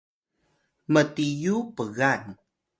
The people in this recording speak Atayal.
mtiyu pgan